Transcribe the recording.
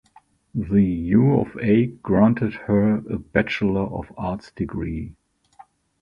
The U of A granted her a Bachelor of Arts degree.